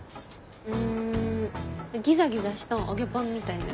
うんギザギザした揚げパンみたいなやつ。